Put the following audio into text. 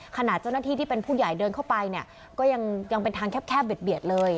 ขณะเจ้าหน้าที่ที่เป็นผู้ใหญ่เดินเข้าไปเนี่ยก็ยังเป็นทางแคบเบียดเลย